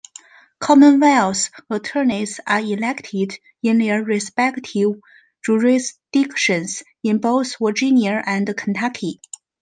Commonwealth's attorneys are elected in their respective jurisdictions in both Virginia and Kentucky.